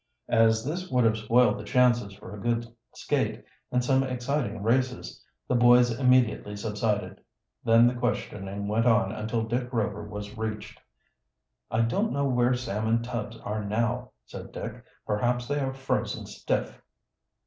As this would have spoiled the chances for a good skate and some exciting races, the boys immediately subsided. Then the questioning went on until Dick Rover was reached. "I don't know where Sam and Tubbs are now," said Dick. "Perhaps they are frozen stiff."